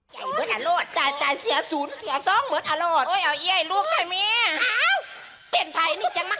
พี่แทนพี่โถย